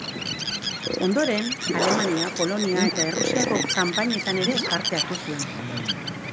Ondoren, Alemania, Polonia eta Errusiako kanpainetan ere parte hartu zuen.